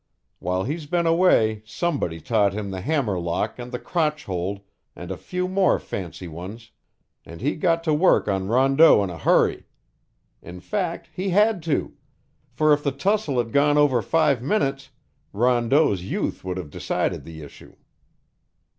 While he's been away somebody taught him the hammer lock and the crotch hold and a few more fancy ones, and he got to work on Rondeau in a hurry. In fact, he had to, for if the tussle had gone over five minutes, Rondeau's youth would have decided the issue."